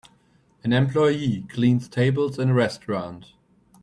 An employee cleans tables in a restaurant.